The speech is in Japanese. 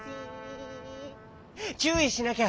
ちゅういしなきゃ！